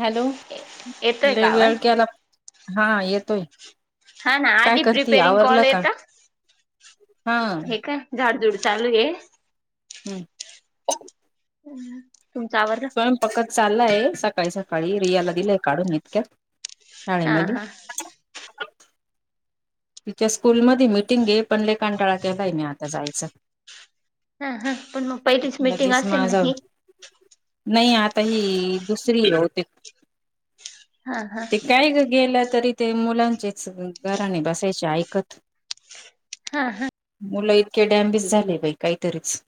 Hello येतोय का लई आवाज? वेळ केला हा येतोय हा ना काय आगी करते प्रिपेरिंग आवरलं कॉल का येत हा हे का. झाड धुड चालू ये. हम्म. तुमच्यावर स्वयंपाकच चाललाय सकाळी सकाळी रियाला दिलंय काढून इतक्या. हा हा.. तिच्या स्कूल मध मिटिंग हे पण लय कंटाळा केलाय मी आता जायचं. हा हा पण मग पहिलीच मिटिंग लगेच असेल ना माझा ही. नाही आता ही दुसरी हे बहुतेक हा हा ते काय गेलं तरी ते मुलांचेच गऱ्हाणे बसायचे ऐकत. हा हा. मुलं इतके डॅम्बेज झाले बाई काहीतरीच.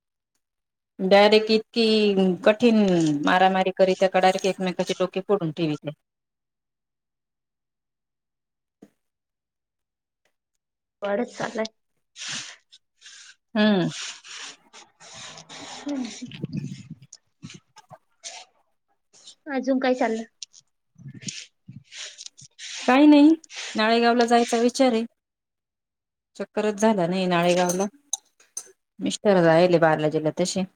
[inaudible] डायरेक्ट इतकी कठीण मारामारी करी त्या का डायरेक्ट एकमेकाचे डोके पोडून ठेवी त्या. [inaudible] बडच ला [unintelligible] हम्म. अजून काय चाललं? काही नाही नाळेगावला जायचा विचार आहे. चक्करच झाला नाही नाळेगावला मिस्टर जायले बार्ला जिल्ह्यात तशी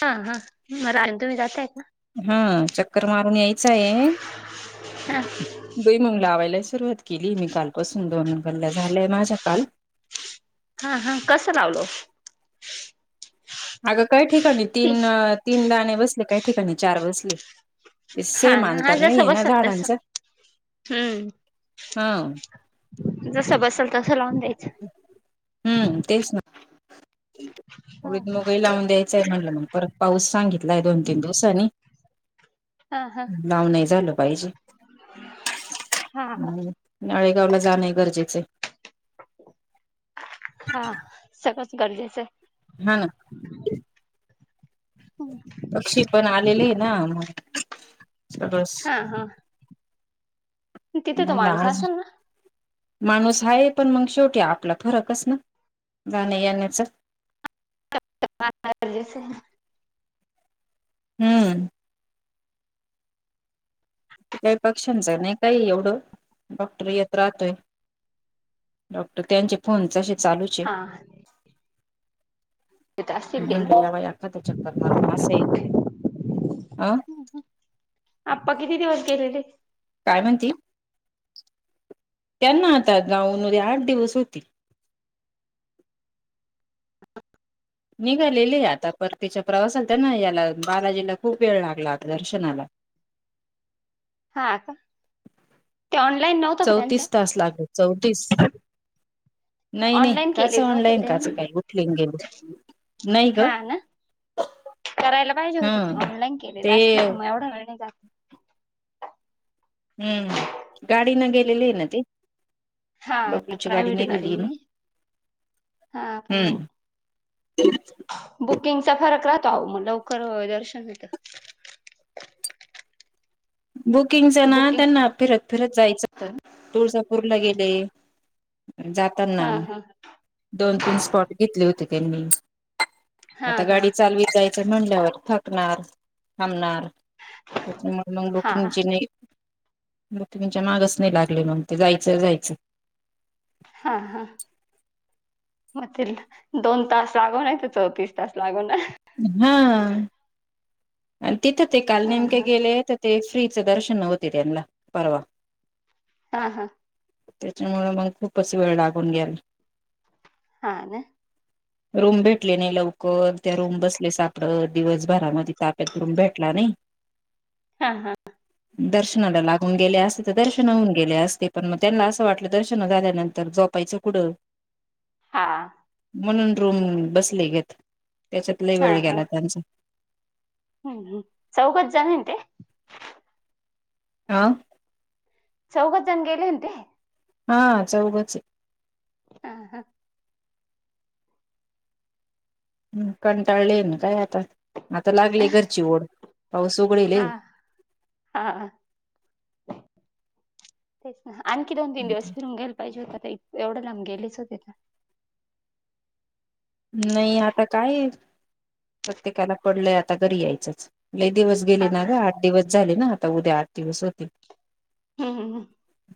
हा हा म रायन तुम्ही जाताय का? हं चक्कर मारून यायचं आहे हा भुईमूग लावायला सुरुवात केली मी कालपासून दोन भरल्या झाल्या माझ्या काल हा हा कसं लावलो ओ? आगं काही ठिकाणी तीन तीन दाणे बसले काही ठिकाणी चार बसले. ते हा सेम ना हा अंतर नाही जसं हे ना बसल तसं झाडाचं. हम्म जसं बसल तसं लावून द्यायचं. हुं तेच ना हा उडीद, मूग ही लावून द्याय चल म्हणलं मग परत पाऊस सांगितलाय दोन, तीन दिवस आणि हा लांब नाही झालं पाहिजे हा हा [unintelligible] नाळेगावला जाणं हे गरजेचं आहे. हा सगळच गरजेचं आहे. हा ना. हम्म. पक्षी पण आलेले हे ना म सगळंस हा, हा. तिथे तो म्हणून माणूस आज असेल ना माणूस हाय पण मंग शेवटी आपला फरकच ना जाण्या येण्याच. [unintelligible] हम्म. काही पक्षांच आहे ना का एवढं? डॉक्टर येत राहतोय. डॉक्टर त्यांचे फोन तसे चालूच आण असतील ते ना म्हंटलं याव एखाद चक्कर मारून आस हे अं आप्पा किती दिवस गेलेले? काय म्हणती? त्यांना आता जाऊन उद्या आठ दिवस होतील. निघालेले आता परतीच्या प्रवासाला त्याना याला बालाजीला खूप वेळ लागला आता दर्शनाला. हा का ते ऑनलाईन नव्हतं का त्याचं? चौतीस तास लागले. चवतीस नाही नाही ऑनलाईन कसं केलेलं नव्हतं का ऑनलाईन त्यांनी? काचं काय उठले न गेले. नाही ग. हा ना? करायला पाहिजे ह होत ते ऑनलाईन केलेल आसल ते का म एवढं वेळ नाही जात. हुं गाडीन गेलेले हे ना ते? हा बबलूची गाडी प्रायव्हेट नेलेली हे ना? गाडीने हा पण मग हुं. बुकिंगचा फरक राहतो आओ म लवकर दर्शन होत. बुकिंगच ते ना बुकिंग त्यांना फिरत फिरत जायच होत ना तुळजापूरला गेले जाताना हा हा दोन, तीन स्पॉट घेतले होते त्यांनी हा आता हा गाडी चालवी जाय च म्हल्यावर थकणार थांबणार तेच्यामुळ मंग लो हा [unintelligible] च्या मागच नाही लागले म्हणून ते जायचं जायचं हा, हा. म ते दोन तास लागो नाहीतर चौतीस तास लागो ना. हा. आणि तिथं ते काल हा नेमके हा गेले तर ते फ्रीचं दर्शन नव्हते तेन्हला परवा. हा हा त्याच्यामुळे मग खूप असशी वेळ लागून घ्याल हा ना रूम भेटले नाही लवकर त्या रूम बसले सापडत दिवसभरामध्ये- ता्या तुम भेटला नाही. हा हा. दर्शनाला लागून गेले असते तर दर्शनहन गेले असते पण मग त्यांना असं वाटलं दर्शन झाल्यानंतर जोपायच.. [unintelligible] हा म्हणून रूम बसले गेत त्याच्यातला हा वेळ हा गेला त्यांचा.. हम्म हम्म चौकात जन ये ते. हा. चौघद जण गेले हो ते. हा चौघच आहे. हा हा. ह कंटाळले ना काय आता आता लागले घरची ओढ पाऊस हा उघडेल. हा. तेच ना आणखी दोन, तीन दिवस फिरून घ्यायला पाहिजे होता एवढं ला गेलेच होते ना.. नाही आता काय? प्रत्येकाला पडलंय आता घरी यायचंच म्ह दिवस गेले हा हा ना ग आठ आठ दिवस झाले ना आता उद्या आठ दिवस होते. हम् हम हम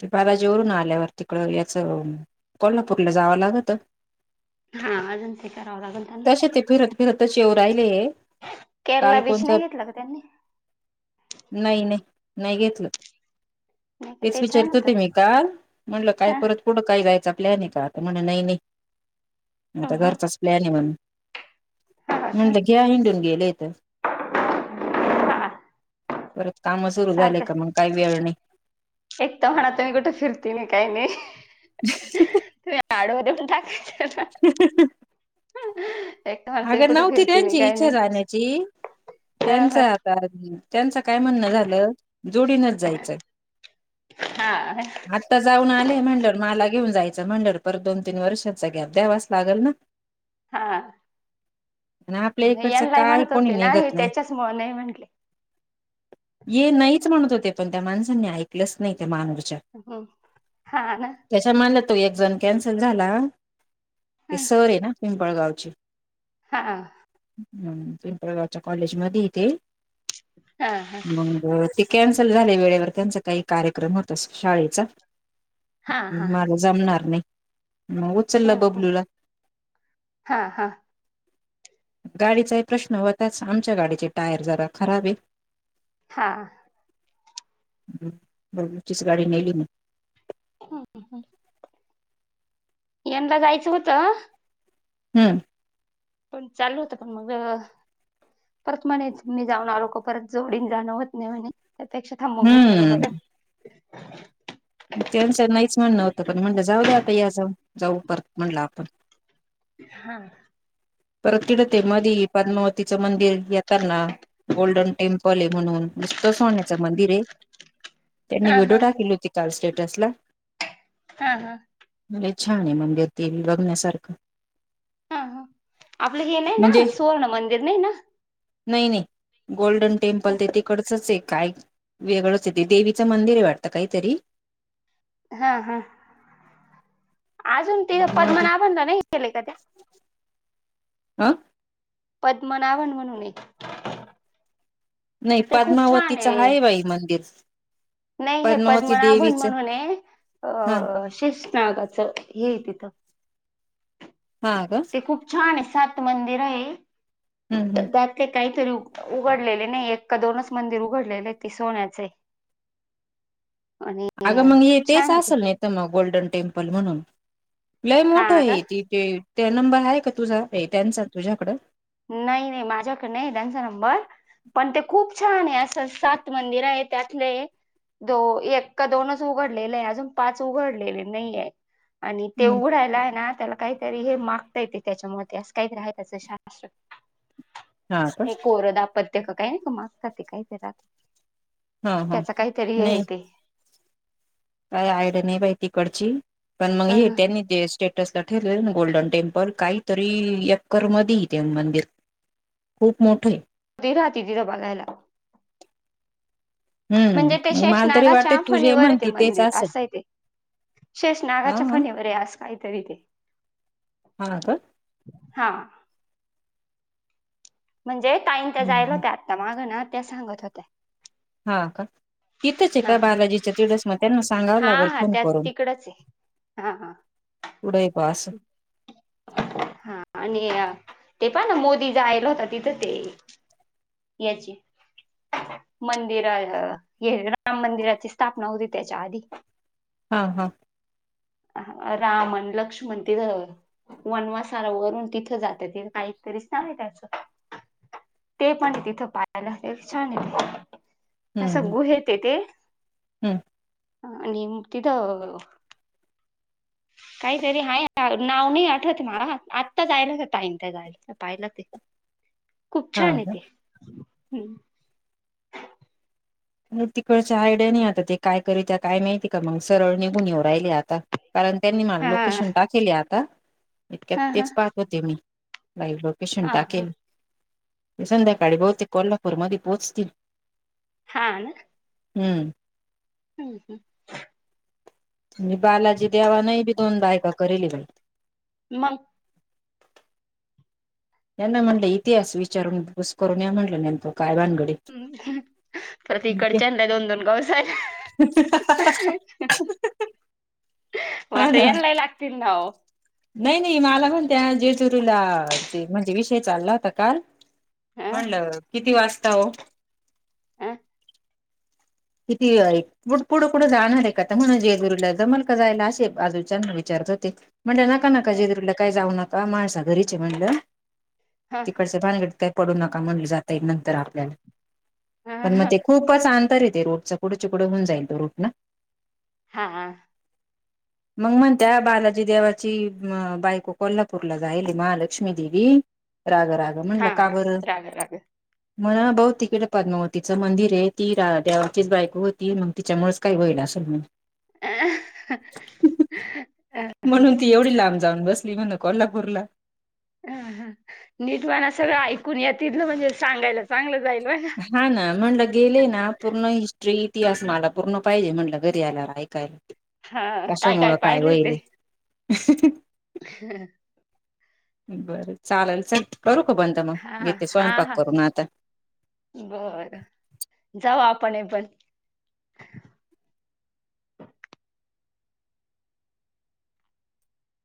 ते बाबाजीवररून आल्यावर तिकड याचं कोल्हापूरला जावं लागत. हा अजंत करवारगंतना. करत करत. शेव राहिले हे. केरळला बीच नाही घेतला का त्यांनी नाही नाही नाही घेतलं. नाही का तेच ते छान विचारत हो होत ते मी काल म्हटलं काय हा परत पुढं काही जायचा प्लॅन आहे का आता म्हण नाही नाही आता हम्म हम्म घरचाच प्लॅन आहे म्हणून. हा का म्हणत घ्या हिंडून गेलेय तर. हा परत काम सुरु झाले सारखं का मग काही वेळ नाही. एक तर म्हणात मी कुठे फिरती नाही काही नाही. तुम्ही आडव पण टाकाय ह ह [unintelligible] अगं नव्हती त्यांची इच्छा राण्याची हा हा त्यांचा त्यांचं काय म्हणणं झालं. जोडीनच जायचं. हा ता जाऊन आले मंडळ मला घेऊन जायचं मंडळ परत दोन तीन वर्षाचा गॅप द्यावास लागेल ना. हां. आणि आपल्या इकडचं काय म्हणत कोणी होते ना हे निघत नाही. त्याच्याच मुळे नाही म्हंटले ये नाहीच म्हणत होते पण त्या माणसांनी ऐकलंच नाही ते मानूरच्या हम् हा. त्याच्या म्हणलं तो एक जण कॅन्सल झाला तेी हा सर आहे ना पिंपळगावची.. हा. हम पिंपळगाच्या कॉलेज मध्ये येथ हा हा. ह ते कॅन्सल झाले वेळेवर त्यांचा काही कार्यक्रम होत शाळेचा. हां, हां. मला जमणार नाही म हम्म हम् हा हा. गाडीचाही प्रश्न होताच आमच्या गाडीचे टायर जरा खराब आहे. हा. बहिणीचीच गाडी नेली मी हम् हम हम. यंदा जायचं होतं. हम्म. चालू होत पण मग परत म्हणे मी जाऊन आलोक परत जोडीन जाणं होत नाही म्हणे. त्यापेक्षा थांबवून घेतलेलं बर. हम्म त्यांचं नाहीच म्हणणं होतं पण म्हणलं जाऊ द्या आता या जाऊ जाऊ परत म्हणलं आपण हा. परत तिते मधी पद्मावतीचं मंदिर येताना गोल्डन टेम्प पल म्हणून नुसत सोण्याच मंदिर आहे त्यांनी हां, व्हिडिओ हां. टाकले होते. चाल स्टेटस ला. हा हा. म्हे छान आहे मंबतील लगण्यासारखं हां, हां. आपलं हे नाही ना सुवर्ण मंदिर नही ना. नही नही गोल्डन टेम्पल ते तिकडच ए काय? वेगळंचहेेते देवीचं मंदिरे वाटतं काहीतरी हा हा अजून ति पद्म मध्ये नाभन ला नाही केलेय का त्या आ. पद्मनाभन म्हणून एक नही पद्मावतीचं हाय बाई मंदिर नही हे पद्मावती पद्मनाभन देवीचं म्हणून हे हा अ शेषनागाचं हे ये तिथं. हा का? ते खूप छान आहे सात मंदिर हे. हम् हम. ते काहीतरी उघडलेले नाही एक का दोनच मंदिर उघडलेले ते सोन्याच. आणि अगं मग हे तेच छान आहे ते असल नही त मग गोल्डन टेम्पल म्हणून लय मोठं हा का हे त. ते त्या नंबर आहे का तुझा हे त्यांचा तुझ्याकडं. नाही नाही माझ्याकडे नाही त्यांचा नंबर पण ते खूप छान आहे असं सात मंदिर आहे त्यातले ए. दो एक का दोनच उघडलेले आहे अजून पाच उघडलेले नाहीहे. आणि ते उघडायला हे ना त्याला काहीतरी हे मागता येते त्याच्यामुळे असं काहीतरी आहे त्याच श. हा का हे कोरदा पत ते का काही नाही का मास्तातात ते काहीतरी राह हा हा त्याचा काहीतरी हे य नाही तेे काय आयड्या नाही बाई तिकडची पण मंग अ हे त्यांनी देश टेटसला ठेवले ना गोल्डन टेम्पल काहीतरी यकर मधी ते मंदिर खूप मोठए. ते राहते [unintelligible] तिथं बघायला. म्हणजे ते हम्म मग शेष मला तरी वाटते नागाच्या तुझे फणीवर ते म्हणती तेच मंदिर असेल असंय ते. शेष ह नागाच्या हा फणीवर ए आस काहीतरी ते. हा ना तर हा. म्हणजे ताईअन ते जायल हम्म होत आत्ता माग ना त्या सांगत होते्या. हा का तिथंचहे हा. का बालाजीच तिडस म त्यांना सांगावं हा लागल हा फोन त्या करून तिकडच आहे हा हा. पुढये तो आस. हा, आणि ते पण मोदी ज आयला होता तिथं ते याची, मंदिर हे राम मंदिराची स्थापना होती त्याच्या आधी. हा, हा. राम ण लक्ष्मण तिथं. वनवासाला वरून तिथं जातातथ काहीतरीच सांग त्याचंऽ. ते पण. तिथं पाहाला छान य असं हम्म गुहेेत ते. हम्म, आणी तिथं. काहीतरी आहेाय नाव नाही आठवते मला आत्ताचयलाच ताई त्या गाडीच पाहिलं ते. [inaudible] खूप छान हा आहे ते ह्म तिकडच्या आयडिया नाही आता ते काय करीत्या, काय माहिती, का मग सरळ निघून येव राहिले आता. कारण त्यांनी मला हा हा लोकेशन टाकेले आता इतक्यात हा तेच पाहत होते मी लाईव्ह ल. केशन हा हा टाकेल ते संध्याकाळी बहुतेक कोल्हापूरमध्ये पोहोचतील. हां ना. हम्म. हम् ह [unintelligible] म्हनजे बालाजी देवानही बी दोन बायका करेली बाई. मग? त्यांना म्हटलं इतिहास विचारून घुस करून या म्हटलं न त काय बांनगडयऽ. हम्, पर त इकडच्यांड दोन, दोन गाव साहे हो, हा आता ना यानला ई लागतील नाव नाही, नाही मला पण त्या जेजुरीूला, म्हणजे विषय चालला होता काल हा म्हणलं किती वाजता हो आह. किती पु पुढं पुढं जाणार आहे का तर म्हणा, जेजुरीला जमल का जायला असे बाजूच्याना विचारत होते. म्हणलं नका, नका जेजूरीला काय जाऊ नका, माळसा घरीच य म्हणलंऽ. हा, भग काही पडू नका म्हणलं, जाताईल नंतर आपल्याला, पण मग ते हा खूपच अंतरऽ. ते रोटचा कुढे चिकठं होऊन जाईल तो, रोट ना. हा, हा. [inaudible] मग मण त्या बालाजी देवाची बायको कोल्हापूरला जाईल महालक्ष्मी देवी. राग, राग. म्हणलं हा का बर, राग राग म्हणा भाऊ तिकडे पद्मावतीचं मंदिर आहे, ती रा्या. चीच बायको होती, मग तिच्यामुळेच काय होईल असेल मग. म्हणून ती एवढी लांब जाऊन बसली म्हण, कोल्हापूरला. अ, ह नीटवाना सगळं ऐकून या तिथलं, म्हणजे सांगायला चांगलं जाईल म्ह ना. हा, ना, म्हणलं गेले ना पूर्ण हिस्ट्री, इतिहास मला पूर्ण पाहिजे म्हणलं, घरी आल्या ऐकायला. कशामुळं काय होईल? ह, बरं चालेल चल करू का बंद मग? हा घेते स्वयंपाक करूनग आता. बर, जाऊ आपण हे पण.